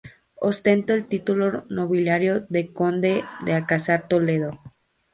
Ostentó el título nobiliario de conde del Alcázar de Toledo.